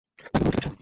তাকে বোলো, ঠিক আছে?